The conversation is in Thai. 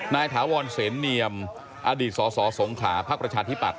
นายถาวรเศษเนียมอดีตสสสงขาพธิปัตย์